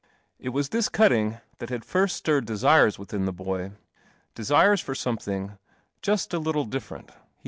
It was this cutting that had first stirred desires within the boy — desires for something just a little differ 56 I II!